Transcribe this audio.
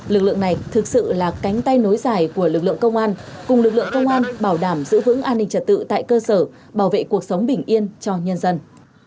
lực lượng này thực sự là cánh tay nối dài của lực lượng công an cùng lực lượng công an bảo đảm giữ vững an ninh trật tự tại cơ sở bảo vệ cuộc sống bình yên cho nhân dân